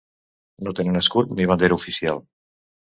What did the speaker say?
No tenen escut ni bandera oficial: